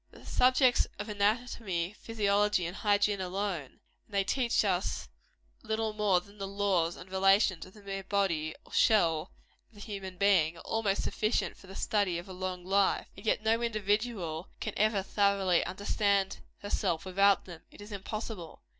The Subjects of Anatomy, Physiology and Hygiene alone and they teach us little more than the laws and relations of the mere body or shell of the human being are almost sufficient for the study of a long life; and yet no individual can ever thoroughly understand herself without them: it is impossible.